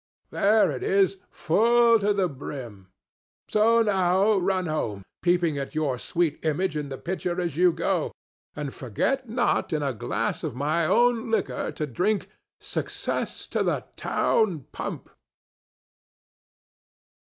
There it is, full to the brim; so now run home, peeping at your sweet image in the pitcher as you go, and forget not in a glass of my own liquor to drink "SUCCESS TO THE TOWN PUMP."